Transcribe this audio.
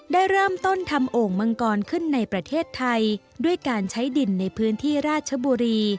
ได้เริ่มต้นทำโอ่งมังกรขึ้นในประเทศไทยด้วยการใช้ดินในพื้นที่ราชบุรี